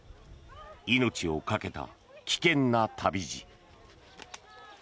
命をかけた危険な旅路。